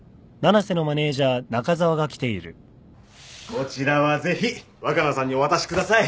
こちらはぜひ若菜さんにお渡しください。